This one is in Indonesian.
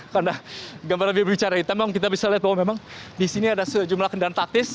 karena gambar lebih berbicara hitam kita bisa lihat bahwa memang di sini ada sejumlah kendaraan taktis